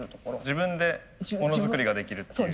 自分でモノづくりができるっていう。